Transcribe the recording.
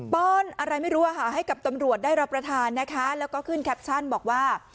้อนอะไรไม่รู้ให้กับตำรวจได้รับประทานนะคะแล้วก็ขึ้นแคปชั่นบอกว่า